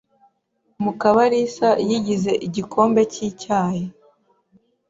Mukabarisa yigize igikombe cyicyayi.